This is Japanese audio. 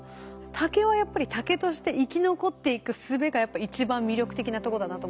竹はやっぱり竹として生き残っていくすべがやっぱ一番魅力的なとこだなと思いました。